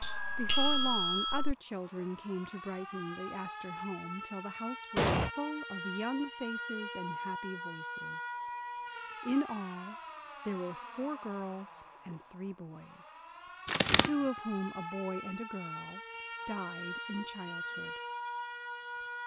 Before long other children came to brighten the Astor home, till the house was full of young faces and happy voices. In all, there were four girls and three boys, two of whom, a boy and a girl died in childhood.